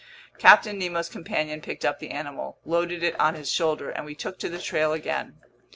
Captain Nemo's companion picked up the animal, loaded it on his shoulder, and we took to the trail again.